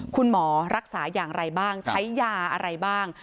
คุณหมอรักษาอย่างไรบ้างใช้ยาอะไรบ้าง